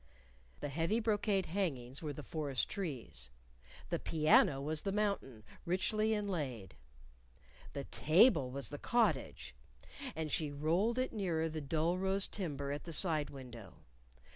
The heavy brocade hangings were the forest trees. The piano was the mountain, richly inlaid. The table was the cottage, and she rolled it nearer the dull rose timber at the side window.